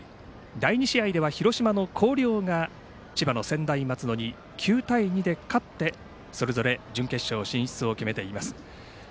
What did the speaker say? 第２試合では広島の広陵が千葉の専大松戸に９対２で勝ってそれぞれ準決勝進出を決めています。